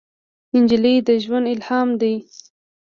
نجلۍ د ژوند الهام ده.